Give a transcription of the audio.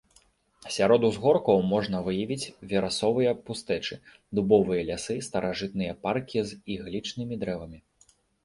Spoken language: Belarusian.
Сярод узгоркаў можна выявіць верасовыя пустэчы, дубовыя лясы, старажытныя паркі з іглічнымі дрэвамі.